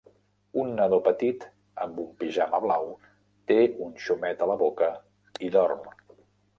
Un nadó petit amb un pijama blau té un xumet a la boca i dorm.